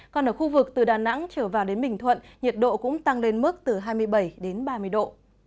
còn ở khu vực từ đà nẵng trở vào đến bình thuận nhiệt độ cũng tăng lên mức từ hai mươi bảy đến ba mươi độ